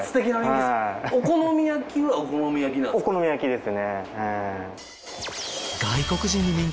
お好み焼きはお好み焼きなんですか？